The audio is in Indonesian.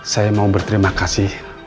saya mau berterima kasih